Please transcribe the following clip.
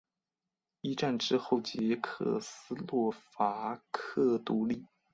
一战之后捷克斯洛伐克独立。